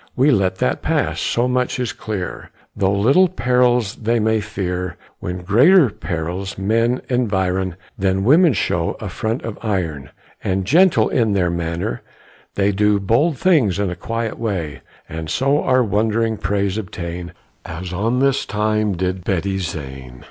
We let that pass so much is clear, Though little perils they may fear, When greater perils men environ, Then women show a front of iron; And, gentle in their manner, they Do bold things in a quiet way, And so our wondering praise obtain, As on a time did Betty Zane.